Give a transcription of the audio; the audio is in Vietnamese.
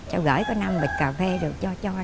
rồi gửi có năm bịch cà phê rồi cho cho